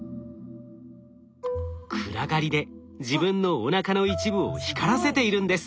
暗がりで自分のおなかの一部を光らせているんです。